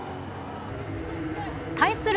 対する